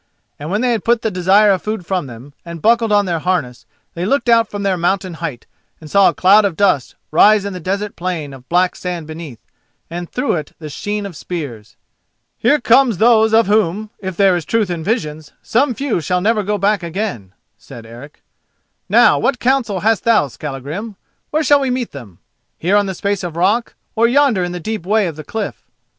And when they had put the desire of food from them, and buckled on their harness, they looked out from their mountain height, and saw a cloud of dust rise in the desert plain of black sand beneath, and through it the sheen of spears. "Here come those of whom, if there is truth in visions, some few shall never go back again," said Eric. "Now, what counsel hast thou, Skallagrim? Where shall we meet them? Here on the space of rock, or yonder in the deep way of the cliff?"